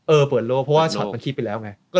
เปิดโลกเพราะว่าช็อตมันคิดไปแล้วไง